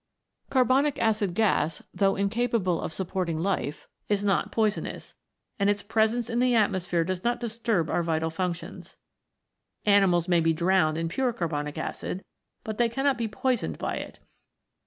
Carbonic acid gas though incapable of supporting life is not poisonous, and its presence in the atmo sphere does not disturb our vital functions. Ani mals may be drowned in pure carbonic acid, but they cannot be poisoned by it.